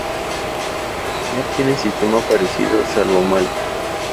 No tienen sistema parecido salvo Malta.